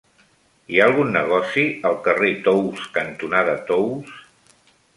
Hi ha algun negoci al carrer Tous cantonada Tous?